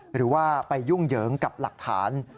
หรือว่าไปยุ่งเหยิงกับหลักฐาน